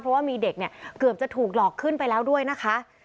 เพราะว่ามีเด็กเนี่ยเกือบจะถูกหลอกขึ้นไปแล้วด้วยนะคะ